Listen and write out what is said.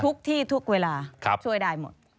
ทุกที่ทุกเวลาช่วยได้หมด